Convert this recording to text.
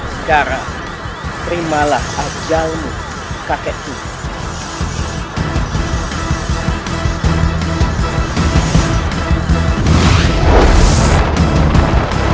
sekarang terimalah ajalmu kakek tua